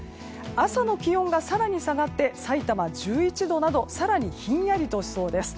朝の気温が更に下がってさいたま、１１度など更にひんやりとしそうです。